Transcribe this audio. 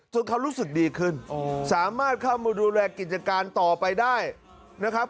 เขารู้สึกดีขึ้นสามารถเข้ามาดูแลกิจการต่อไปได้นะครับ